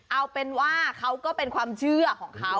เอาเป็นว่าเขาก็เป็นความเชื่อของเขา